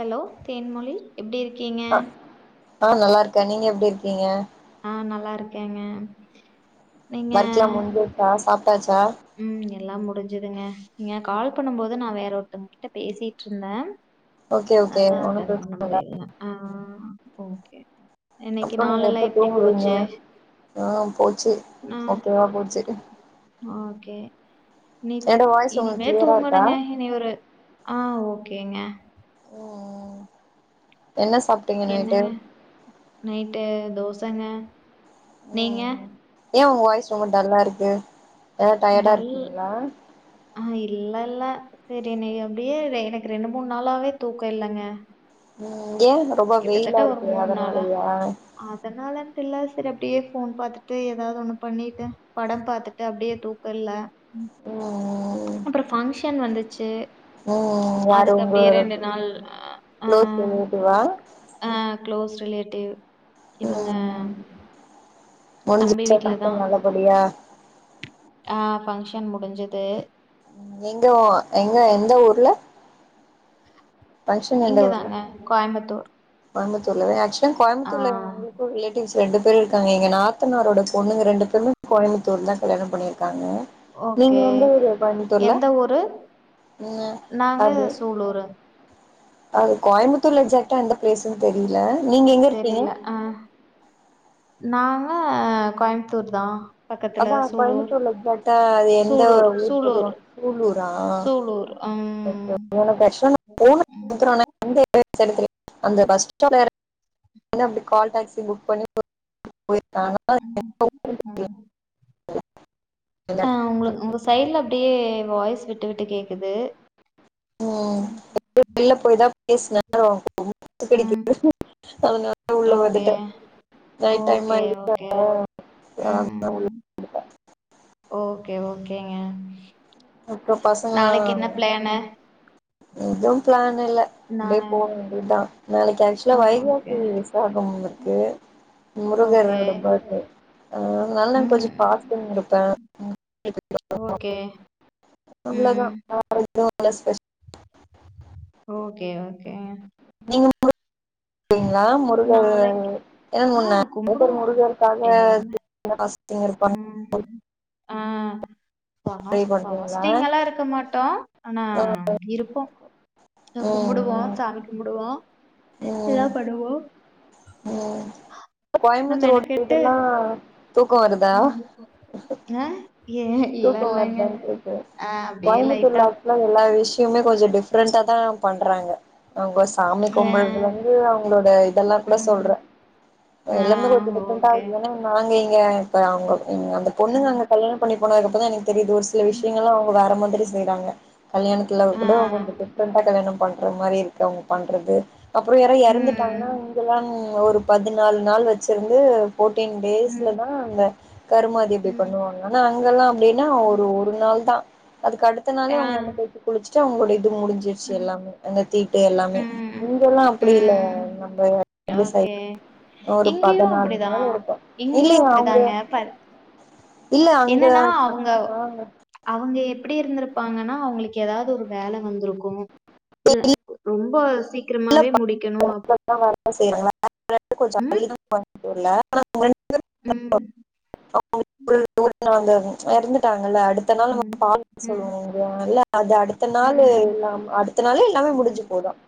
Hello Thenmozhi எப்டி இருக்கீங்க அ ஆ நல்லா இருக்கேன் நீங்க எப்டி இருக்கீங்க நான் நல்லா இருக்கேங்க நீங்க வர்க்லாம் முஞ்சச்சா சாப் ம் எல்லாம் முடிஞ்சுதுங்க நீங்க கால் பண்ணும்போது நான் வேற ஒருத்தவங்க கிட்ட பேசிட்டு இருந்தேன் ஓகே ஓகே அதான் ஒன்னு அட்டன் பண்ண பிரச்சன இல்ல முடியல ஆ ஓகே இன்னைக்கு அப்புறம் நீங்க நாளெல்லாம் எப்ப எப்படி தூங்குவிங்க போச்சு? ஆஹ் போச்சு ஆ ஓகேவா போச்சு [unintelligible] என்னோட வாய்ஸ் உங்களுக்கு இனிமே கிளியரா இருக்கா தூங்கணுங்க இனி ஒரு ஆ ஓகே ஓகேங்க ம் ம் என்னக நைட்டு தோசை [inaudible] நீங்க ஏன் உங்க வாய்ஸ் ரொம்ப டல்லா இருக்கு ஏதா டயர்டா டல் இருக்கீங்களா ஆ இல்ல இல்ல சரி நீ அப்படியே எனக்கு ரெண்டு மூணு நாளாவே தூக்கம் இல்லைங்க ம் இங்க ரொம்ப வெயிலாருக்கு அதனாலயா ல்ல சரி அப்டியே போன் பாத்துட்டு ஏதாவது ஒண்ணு பண்ணிட்டு படம் பாத்துட்டு அப்டியே தூக்கல்ல ம் ம் [unintelligible] பங்க்ஷன் வந்துச்சு ம் ம் யாரு அதுக்கு அப்டியே உங்ளோட ரெண்டு நாள் ஆ க்ளோஸ் ரிலேடிவ்வா ஆ க்ளோஸ் ரிலேட்டிவ் இவங்க தம்பி முடுஞ்சிச்சா வீட்ல தா பங்ஷன் நல்லபடியா ஆ பங்ஷன் முடுஞ்சுது எங்க ஒ எங்க எந்த ஊர்ல ஃபங்க்ஷன் இங்க தாங்க கோயம்பத்தூர் கோயம்பத்தூர்ல வெயாச் கோயம்புத்தூர்ல இருக்க ரிலேட்டிவ்ஸ் ரெண்டு பேரு இருக்காங்க எங்க நாத்தனாரோட பொண்ணுங்க ரெண்டு பேருமெ கோயம்பத்தூர் தா கல்யாண பண்ணிருக்காங்க ஓகே எந்த ஊரு ம் நாங்க அது சூலூரு அது கோயம்பத்தூர்ல எக்ஸாக்டா எந்த பிளேஸ்னு தெரி தெரில அ நா ஆ கோயம்புத்தூர் தா பக்கத்துல அதா சூலூர் கோயம்பத்தூர்ல எக்சாக்டா அது எந்த சூலூர் ஊ சொல்லுவா சூலூர் சூலூரா [inaudible] சூலூர் ம் நன்றிஅந்த பஸ் நேரத்துலகால் டாக்சி புக் பண்ணி [inaudible] [inaudible] ஆ உங்களுக் உங்க சைட்ல அப்டியே வாய்ஸ் விட் விட்டு விட்டு கேக்குது ம் பேஸ் நேரோ [inaudible] அதுனால உள்ள ஓகே வந்துட்ட நைட் ஓகே டைமாயிடுச்சா ஓகே அதா ம் உள்ள வந்துட்ட ஓகே ஓகேங்க அப்போ பசங்களா நாளைக்கு என்ன பிளானு ஏதோ பிளானில்ல அப்டியே நானு போ வேண்டிதா நாளைக்கு ஆக்சுலா ஆ ஓகே வைகாசி ஸ்வாகம் க்கு ஓகே முருகரோட பர்த்டே அதனால ம் கொஞ்சோ பாஸ்டிங் இருப்பே ஓகே ம் அவ்ளதான் பிளஸ் பிளஸ் ஓகே ஓகே நீங்க [inaudible] ங்கள முருக நாளைக்கு ஆ [unintelligible] ஒவ்வொரு கும்புடுவோ முருகருக்காக எல்லாமே ஃபாஸ்டிங் இருப்பாங்க ட்ரை ஃபாஸ் பண்றீங்களா ஃபாஸ்டிங் எல்லா இருக்க மாட்டோ ஆனா இருப்போ ம் கும்பிடுவோ ம் சாமி கும்பிடுவோ எல்லா ம் பண்ணுவோ ம் ஆனா கோயம்புத்தூர் [unintelligible] மெனக்கெட்டு இதெல்லா தொ ம் ஆஹ ஏ இல்ல தூக்கோ இல்லங்க வருதானு கேக்கற ஆ அப்டியே லைட்டா கோயம்பத்தூர்ல அப்படியெல்லால்ல எல்லா விஷயமே கொஞ்சோ டிஃப்ரெண்டா தா பண்றாங்க அவங்க சாமி ஆ கும்புறதிலிருந்து அவங்களோட இதெல்லா கூட சொல்ற ம் ஆ எல்லாமே கொஞ்சோ டிஃப்ரெண்டா ஓகே ஏனா நாங்க ஏ இப்ப அவுங்க அந்த ம் பொண்ணுங்க அங்க கல்யாணம் பண்ணி [inaudible] தெரியுது ஒரு சில ம் விஷயங்கெல்லா அவுங்க வேற மாதிரி செய்றாங்க கல்யணத்துல ஆ கூட உங்களுக்கு டிஃபரண்டா கல்யாணம் பண்ற மாரி இருக்கு அவங்க பண்றது அப்ற யாரு இறந்துட்டாங்கன்னா ம் இங்கெல்லா ஒரு பதினாலு நாள் வச்சிருந்து ஃபோடீன் டேஸ்ல ம் தா அந்த கருமாதி இது ம் பண்ணுவாங்க ஆனா அவுங்கெல்லா எப்டினா ஒரு ஒரு நாள் தா அதுக்கு அடுத்த ஆ நாளே அவங்க எண்ண தேச்சு குளிச்சு சோ உங்களுடைய து முடிஞ்சிருச்சு ம் எல்லாமே அந்த தீட்டு எல்லாமே ம் இங்க எல்லா அப்டி இல்ல ஃபைவ் ம் நம்பர் ஓகே இங்கயும் பதினாலு நாள் அப்படிதான் இருக்கு இங்கயும் இல்லையா அவங்க அப்படிதாங்க இல்ல அங்க என்னன்னா அவங்க அவங்க எப்படி இருந்திருப்பாங்கன்னா அவங்களுக்கு ஏதாவது ஒரு வேலை வந்திருக்கும் இல்ல ரொம்ப சீக்கிரமாவே முடிக்கணும் [unintelligible] இல்ல உம் [unintelligible] இறந்துட்டாங்க அடுத்த நாள் நம்ம ம், பால் ம், சொல்லுவோம்ல்ல அது அடுத்த நாள் ம். எல்ல அடுத்த நாள் எல்லாமே முடிஞ்சு போதும்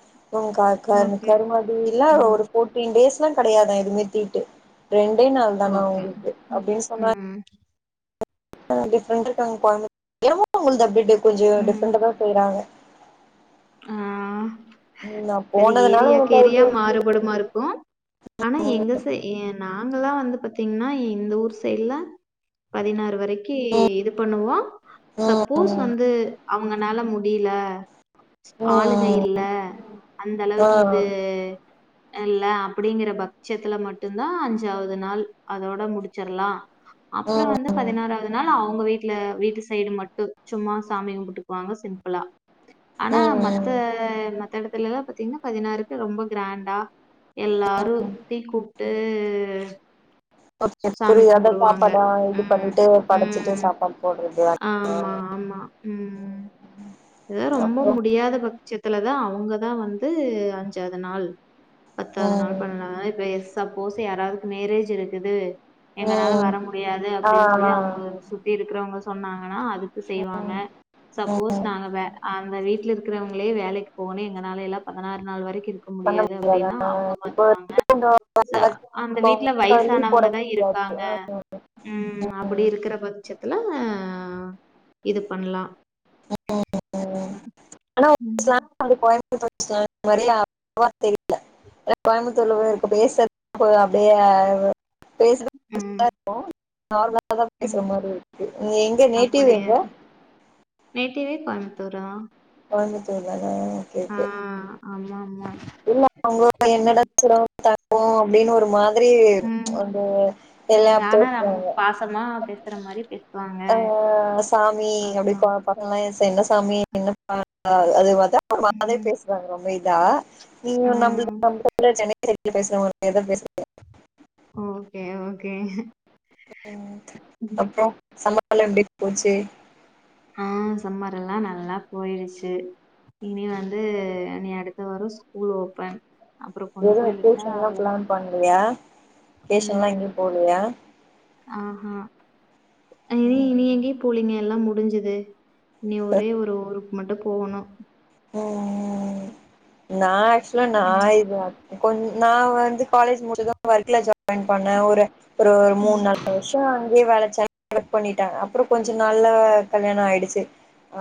க க ஓகே. கருமாதி இல்லான் ம். ஒரு போட்டின் பேசோன்னு கிடையாதான் எதுவுமே தீட்டு ரெண்டே நாள் தானா ஓகே. உங்களுக்கு ம். அப்படின்னு சொன்னா ம். டிஃப்ரெண்டா உங்க குழம்பு எனமோ உங்களுது [unintelligible] கொஞ்சம் ம். டிஃப்ரெண்ட் தான் செய்யறாங்க ஆ [unintelligible] சரி ஏரியாக்கு ஏரியா எனக்கு மாறுபடுமா இருக்கும் ஆனா எங்க ச ஏனா நாங்களா வந்து பாத்தீங்கன்னா இந்த ஊர் சைட்ல பதினாறு வரைக்கும் கீ ம் இது பண்ணுவோம் சப்போஸ் வந்து அவங்கனால முடில ம் ஆளுங்க ம் இல்ல அந்த ஆ அளவுக்கு இது ம் எல்லா அப்படிங்கிற பக்சத்துல மட்டும்தான் அஞ்சாவது நாள் அதோட முடிச்சிடலாம் அப்புறம் ம் வந்து பதினாறாவது அதனால அவங்க வீட்டுல வீட்டு சைடு மட்டும் சும்மா சாமி கும்பிட்டுக்குவாங்க சிம்பிளா ஆனா ம் மத்த ம் மத்த இடத்து இல்லாம் பாத்தீங்கன்னா பதினாருக்கு ரொம்ப கிராண்டா எல்லாரும் தீ கூப்ட்டு [inaudible] புரியாத சாப்பாடு இது ம். பண்ணிட்டு படைச்சிட்டு ம். சாப்பாடு போடுறது ஆமா ஆமா உம் எ ரொம்ப அப்றோ முடியாத [unintelligible] லதான் அவங்கத வந்து அஞ்சாத நாள் பத்தாது நாள் ம் பன்டவ்து நா இப்ப [unintelligible] சப்போஸ் யாராதுக்கு மேரஜ் இருக்குது எங்கனால ம் வர முடியாது ஆ அப்டின்னு சொல்லி ஆ அவுங்க சுத்திட் இருக்குறவங்க சொன்னாங்கனா அத் ம் ம் நாங்கவே அவங்க வீட்ல இருக்கிறவங்களே வேலைக்கு போனே எங்னால எல்லா பதினாறு நாள் வரைக்கு இருக்க பண்ண முடியாது முடியாதா அப்டின்னா அவங்க இப்போ பாத்துவாங்க வரைக்கு ச அந்த வீட்ல லீவ் போட வயசானவங்கதா முடியாது இருக்காங்க ஆ உம் அப்படி இருக்குற பட்ச்சத் லஹ இது பண்லா [inaudible] [inaudible] ஆன [unintelligible] [unintelligible] தெரில கோயமுதூர்ல [inaudible] போய் இருக்கு பேசுறதுக்கு அப்டியே பேச [inaudible] ம் இருப்போ நார்மலா தான் ம் பேசுற மாதிரி இருக்கு எங்க நேட்டிவ் அப்படியா எங்க [inaudible] துற [unintelligible] கோயமத்துர்ல [unintelligible] ஓகேகே வாம்மா [unintelligible] இல்ல அவுங்க என்னட [inaudible] ஓ அப்டின்னு ஒரு மாதிரி ம் வந்து எல்லா ம் ஆனா நம் தோத்துவாங்க பாசமா பேசுற மாரி பேசுவாங்க ஆஹ் சாமி அப்டி அப்புறம் [unintelligible] தண்ணி [inaudible] அது வ இத மா அதே ம். பேசுவாங்க ரொம்ப இ தா நிங் ஆ. நம்ள [inaudible] சென்னை செட்ல பேசுறவங்க எதவு பேச [inaudible] ஓகே ஓகே உம் அப்றோ சம்மர்லா எப்டி போச்சு ஆஹ் சம்மர் எல்லா நல்லா போயிடுச்சு இனி வந்து நீ அடுத்த வரு ஸ்கூல் ஓப்பன் அப்றோ கொண்டு எதுவு போய் விட்டா வெக்கேஷன்லா அவ்ளதா பிளான் பண்லையா வெக்கேஷன்லா உம் எங்கயு போலையா ஆஹ் ஹா இ நீ ம் எங்கேயு போலீ நி எல்லாமு முடிஞ்சது து நி ஒரே ஒரு ஊருக் மட்டு போனு ஆஹ் [inaudible] நா அக்சுல நா ம். இது அத்த கொஞ் நா வந்து காலேஜ் முடிச்ச [unintelligible] ஒர்க்ல ஜ [unintelligible] பண்ணன் ஒரு ஒரு ஒரு மூணு ம். நாலு வருஷோ அங்கேயே வளச் [inaudible] பண்ணிட்டாங்க அப்புறம் கொஞ்ச நாள்ல கல்யாணம் ஆயிடுச்சு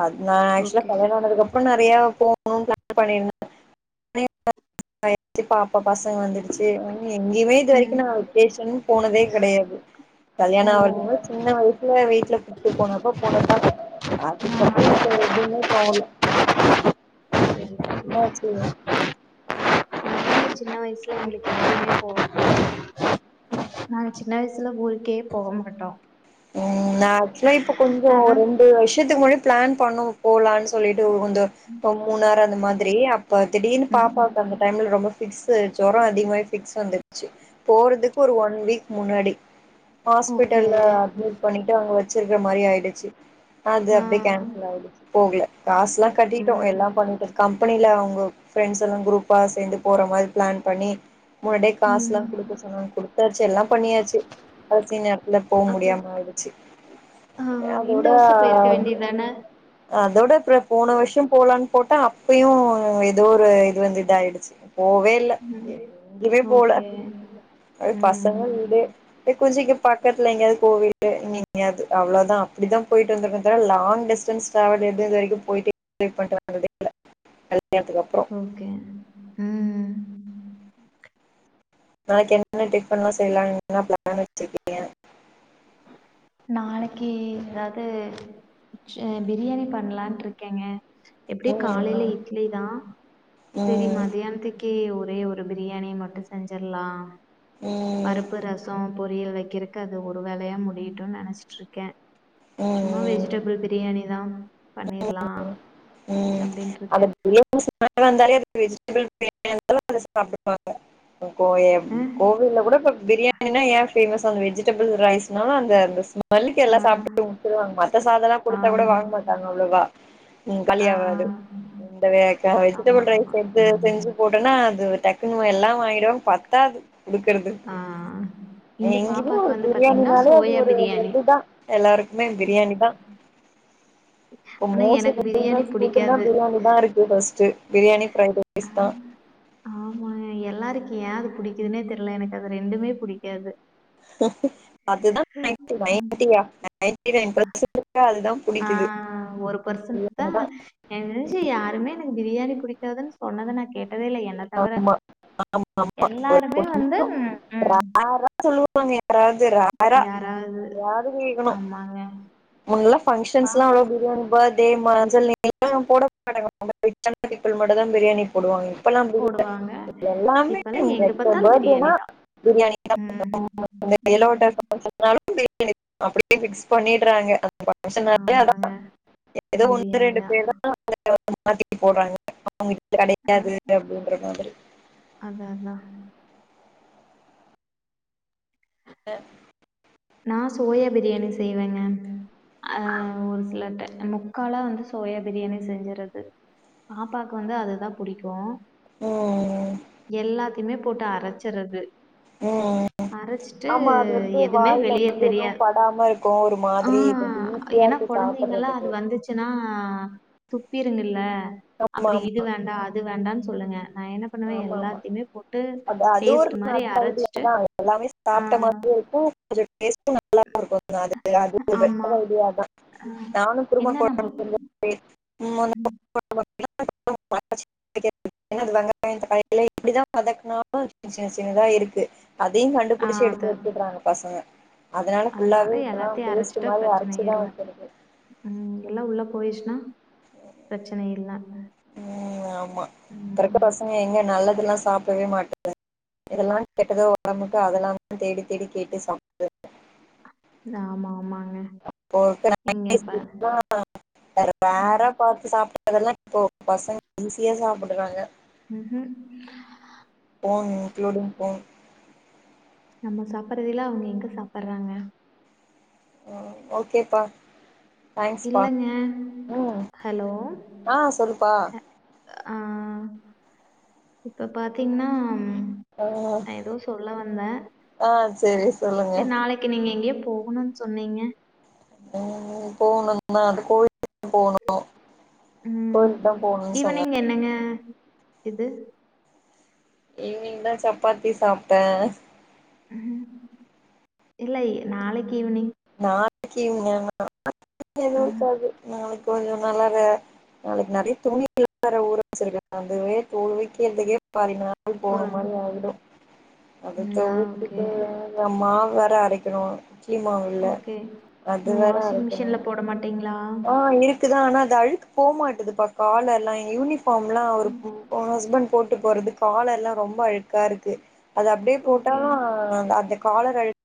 அது நா ஆக்சுவலா ஓகே. கல்யாணனது அப்ரோ நான் நேறைய போணும் பிளான் பண்ணி [inaudible] இப்ப பசங்க வந்துடுச்சு எங்கேயுமே இது ம். வரைக்கும் நா வெக்கேஷன் போனதே கிடையாது ஓ! கல்யாணம் ஆவரத்துக்கு முன்னாடி சின்ன வயசுல வீட்டுல கூட்டு போனப்போ போனதுதான் அதுக்கப்பறம் இப்ப [unintelligible] [inaudible] ஆ, சரி, சரி. என்னாச்சு சின்ன வயசுல எங்களுக்கு [unintelligible] போ நாங்க சின்ன வயசுல ஊருக்கே போக மாட்டோம் ஓ நா ஆக்சுவலா இப்ப கொஞ்சம் ஆஹ. ஒரு ரெண்டு வருஷத்துக்கு முன்னாடி பிளான் பண்ணோ போலான் டு உந்த இப்ப மூணாறு அந்த மாதிரி அப்ப திடீர்னு ம். பாப்பாவுக்கு அந்த டைம்ல ரொம்ப பிக்ஸ் வந்ச்சு ஜோரம் அதிகம ஃபிக்ஸு வந்துருச்சு போறதுக்கு ஒரு ஒன் வீக் முன்னாடி ஓகே. ஹாஸ்பிட்டல்ல பண்ணிட்டு [unintelligible] வச்சிருக்கிற மாரி ஆயிடுச்சு அது அப்படியே ஆ. கேன்சல் ஆயிடுச்சு போகல காசு எல்லாம் கட்டிட்டோ ம் எல்லாம் பண்ணிட்டோ கம் கம்பெனியில் அவங்க ஃப்ரெண்ட்ஸ் எல்லாம் குரூப்பாக சேர்ந்து போற மாரி பிளான் பண்ணி முன்னாடியே காசு எல்லாம் ம் கொடுக்க சொன்னாங்கன்னு கொடுத்தாச்சு எல்லாம் பண்ணியாச்சு கடைசி நேரத்துல போ அப்புறோ முடியாம அடிச்சு ஆ இந்த அதோட வருஷோ போயிருக்க வேண்டியதான அதோட இப்புற போன வருஷம் போலான் போட்டா அப்பயும் ஏதோ ஒரு இது வந்து இத ஆயிடுச்சு போவேல்ல எங்கமே போல ஓகே அ பசங்க ம் வீடே குஞ்சிங்க பக்கத்துலலைங்கது கோவில் லு எங்கெங்கியாவது அவ்வளவுதா அப்படிதா போயிட்டு வந்திருக்க தவறா லா் டிஸ்டன்ஸ் ட்ராவல் எது இது வரைக்கும் போயிட்டு வந்ததே இல்ல கல்யாணத்துக்கு அப்புறம் ஓகே உம் உம் நாளைக்கு என்னென்ன டிஃபன்ல்லா செய்யலாம்ன்னு என்ன பிளான் வச்சிருக்கீங்க நாளைக்கு ஏதாவது ஹ பிரியாணி பல்லாண்ருக்காங்க இருக்கேங்க எப்படியு காலையில ம் இட்லி தா சோரி ம் மத்யானத்துக்கே ஒரு ஒரேயொரு பிரியாணி மட்டும் செஞ்சிடலாம் ம் ம் பருப்பு ரசம் பொரியல் வைக்கிறதுக்கு அது ஒரு வேலையா முடிய டு நினைச்சிட்டு இருக்கே சும்மா ம் வெஜிடபிள் பிரியாணி தா பண்ணிரலா அ [unintelligible] வந்தாலே அது வெஜ் அவங்களுக்கு வேணுமா அத சாப்டுப்பாக கோயம் ஆ கோவில கூட இப்ப பிரியாணி பிரியாணி ஏன் ஃபேமஸ் அந்த வெஜிடபிள் ரைஸ்னா அந்தந்த மல்லிக்கு எல்லாம் ஆ சாப்ட்டு உட்டுருவாங்க மத்த சாதமெல்லாம் கொடுத்தா கூட ஆமா. வாங்க மாட்டாங்க அவ்வளோவா உம் ஆ. கலியாவாது இந்த வேக்கா ஆமா, வெஜிடபிள் ரைஸ் ஆமா. செஞ் ம். செஞ்சு போட்டனா அது டக்குனு எல்லாம் வாங்கிடுவாங் பத்தாது குடுக்கறது ஆ. இங்க எங்கயுமே பாப்பாக்கு ஒரு வந்து பாத்தீங்கன்னா, பிரியாணினாலே அது சோயா ஒரு பிரியாணி. இதுதா எல்லாருக்குமே ம். பிரியாணி தா இப்ப ஆனா மோஸ்ட் எனக்கு பிரியாணி ஃபேமஸ் புட்னா புடிக்காது. பிரியாணி தா இருக்கு ஃபர்ஸ்ட் பிரியாணி ஃப்ரைட் ரைஸ் தா ஆஹ் ஆமா எல்லாருக் ஏ அது புடிக்குதுனே தெரியல எனக்கு அது ரெண்டுமே புடிக்காது அதுதா நைன்டி நைன்டியா நைன்ட்டி நைன் பெர்ஸன்ட் அதுதா புடிக்குது ஆஹ் ஒரு பர்சன்ட் தா இவங்கதா எனக்கு தெரிச்சு யாருமே எனக்கு பிரியாணி புடிக்காதுன்னு சொ சொன்னத நா கேட் ஆமா ஆமா ஆமா எல்லாருமே வந்து கொஞ்சம் ம். ரேரா சொல்வ சொல்வாங்க யாரது ரேரா யாராவது யாரும் கேட்கணும் ஆமாங்க. முன்னெல்லாம் ஃபங்ஷன்ஸ் எல்லாம் பாப்பாக்கு பிரியாணி பர்த் அதே மஞ்சள் [unintelligible] போட மாட்டாங்க [unintelligible] மட்டும்தா பிரியாணி போடு இப்பல்லாம் அப்டியில்ல போடுவாங்க. எல்லாமே இப்பல்லாம் எங்க பார்த்தாலும் பர்த்டேனா பிரியாணி தான். பிரியாணி தான் [inaudible] [inaudible] ம். [unintelligible] ம். [unintelligible] அப்படியே ஃபிக்ஸ் பண்ணிடுறாங்க ஃபங்ஷனாலே ஆமாங்க. அதான் ஏதோ ஒன்னு ரெண்டு பேர் தான் [unintelligible] மாத்தி போடறாங்க அவங்களுக்கு அ கிடைக்காது ஒரு மாதிரி அதான் அதான் அ நான் சோயா பிரியாணி செய்வேங்க அஹ் ஒரு சிலர்ட மொக் கால வந்து சோயா பிரியாணி செஞ்சறது பாப்பாவுக்கு வந்து அதுதான் பிடிக்கும் ம் எல்லாத் இதுமே போட்டு அரைச்சறது ம் அரைச்சிட்டு ஆமா அது வந்து எ வாயில வந்து ஒன்னும் படாம இருக்கும் ஒரு ஆ மாதிரி கொஞ்சம் ஈஸியா இருக்கு சாப்படறதுக்கு ஹ துப்பி இருங்கல ஆமா அப்றோ ஆமா இது வேண்டா அது வேண்டான் சொல்லுங்க நான் என்ன பண்ணுவேன் ஆமா ஆமா எல்லாத்தையுமே போட்டு அ அதுவு ஒரு பேஸ்ட் மாரி நல்ல அரைச்சுட்டு ஐடியாதா எல்லாமே சாப்பிட்ட ஆ. மாதிரியே இருக்கு சரி டேஸ்ட்ம் நல்லா இருக்கும் அது அது ஆமா பெட்டர் ஐடியா தா நானும் குருமா என்ன நம்ம ம், [unintelligible] [inaudible] [unintelligible] [inaudible] இப்படிதா வதக்குனாலு சின் சின்னதா இருக்கு அதயு கண்டுபுடிச்சு எடுத்து வெச்சிட்றாங்க பசங்க அதனால அதுனால ஃபுல்லாவே இப்பல்லா எல்லாத்தயு பேஸ்ட் அரச்சுட்டா மாரி அரச்சுதா பிரச்சனேயில்ல வைக்கிறது உம் எல்லா உள்ள போயிர்ச்சுனா பிரச்சனை இல்ல உம் ஆமா இப்ப இருக்க பசங்க எங்க நல்லதெல்லா சாப்டவே மாட்ட [inaudible] எதெல்லா கெட்டதோ ஒடம்புக்கு அதெல்லா தேடி தேடி கேட்டு சம்ப ஆமா ஆமாங் [inaudible] ம், அதெல்லா இப்போ பசங்க ஈஸியா சாப்பிடுறாங்க உம் உம் போன் இங்கிளுடிங் போன் நம்ம சாப்படுறதேல அவங்க எங்க சாப்படுறாங்க ஹம் ஓகேப்பா தேங்க்ஸ் பா இல்லைங்க உம் ஹலோ ஆஹ் சொல்லுப்பா ஆஹ் இப்ப பாத்தீங்னா ம் ஆ, நா ஏதோ சொல்ல வந்த ஆ சரி சொல்லுங்க சரி நாளைக்கு நீங்க எங்கயே போகனுன் சொன்னீங்க உம் போணும்னான் அ கோயில போணும் ம் கோயட்டு தா போணு சொன்ன ஈவினிங் என்னங்க இது இஈவனிங் தா சப்பாத்தி சாப்பிட்ட உம் இல்லை நாளை ஈவனிங் [inaudible] [unintelligible] கொஞ்சோ நல்லாவே நாளைக்கு நெறைய துணி வேற ஊற வெச்சு [inaudible] ள் போன மாரி ஒரு ஆயிடும் அத ம் ஆ ஓகே துவச்சிட்டு நா மாவு வேற அறைக்கணு கீ மாவு இல்ல ஓகே உ வாஷிங் மிஷின்ல போட மாட்டீங்களா ஆஹ் இருக்குதான் அது அழுக்கு போக மாட்டேதுபா கால எல்லாம் யூனிஃப் [unintelligible] அவரு ஓ ஹஸ்பண்ட் போட்டு போறது கால எல்லாம் ரொம்ப அழுக்கா இருக்கு அது அப்படியே போட்டா ஓகே. ஆஅ [unintelligible] கால [unintelligible]